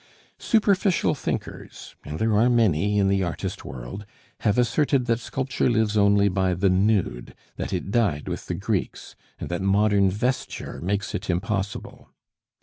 Superficial thinkers and there are many in the artist world have asserted that sculpture lives only by the nude, that it died with the Greeks, and that modern vesture makes it impossible.